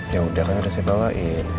yaudah kan udah saya bawain